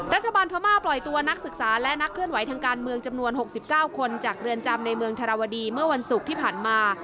พม่าปล่อยตัวนักศึกษาและนักเคลื่อนไหวทางการเมืองจำนวน๖๙คนจากเรือนจำในเมืองธรวดีเมื่อวันศุกร์ที่ผ่านมา